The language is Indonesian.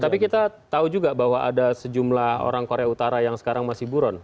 tapi kita tahu juga bahwa ada sejumlah orang korea utara yang sekarang masih buron